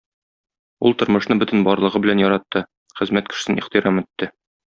Ул тормышны бөтен барлыгы белән яратты, хезмәт кешесен ихтирам итте.